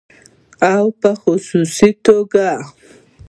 او په خصوصي توګه